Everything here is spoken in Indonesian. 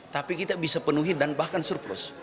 tapi kita bisa penuhi dan bahkan surplus